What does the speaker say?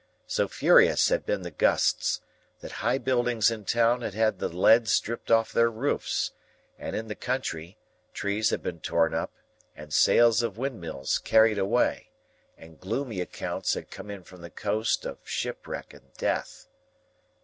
So furious had been the gusts, that high buildings in town had had the lead stripped off their roofs; and in the country, trees had been torn up, and sails of windmills carried away; and gloomy accounts had come in from the coast, of shipwreck and death.